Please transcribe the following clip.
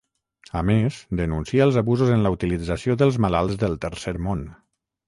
A més, denuncia els abusos en la utilització dels malalts del tercer món.